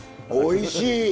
おいしい！